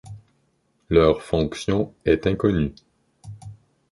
Leur fonction est inconnue.